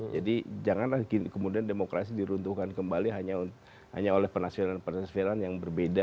jadi janganlah kemudian demokrasi diruntuhkan kembali hanya oleh penasifilan penasifilan yang berbeda